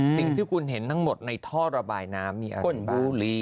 สิ่งที่คุณเห็นทั้งหมดในท่อระบายน้ำมีอาการบูหลี